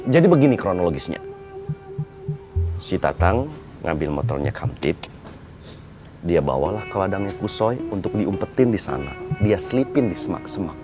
jadi begini kronologisnya si tatang ngambil motornya kantip dia bawalah ke ladangnya kusoi untuk diumpetin di sana dia selipin di semak semak yang